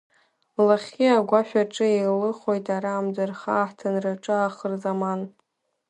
Лахьхьи агәашә аҿы еилыхоит, ара амӡырха аҳҭынраҿы ахырзаман.